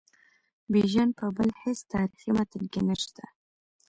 بیژن په بل هیڅ تاریخي متن کې نسته.